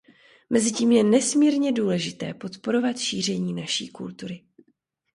Mezitím je nesmírně důležité podporovat šíření naší kultury.